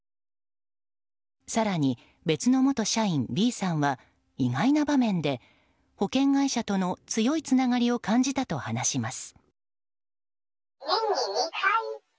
更に別の元社員Ｂさんは意外な場面で保険会社との強いつながりを感じたと話します。